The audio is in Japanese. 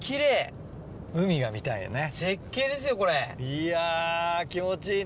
いや気持ちいいね。